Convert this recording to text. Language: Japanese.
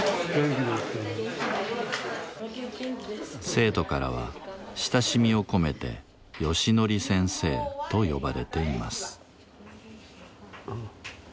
生徒からは親しみを込めて「ヨシノリ先生」と呼ばれています。